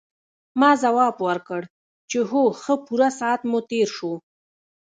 ما ځواب ورکړ چې هو ښه پوره ساعت مو تېر شو.